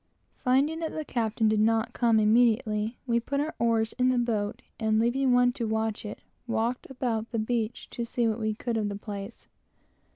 Finding that the captain did not come immediately, we put our oars in the boat, and leaving one to watch it, walked about the beach to see what we could, of the place.